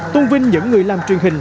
tôn vinh những người làm truyền hình